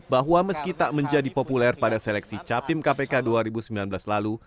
bahwa meski tak menjadi populer pada seleksi capim kpk dua ribu sembilan belas lalu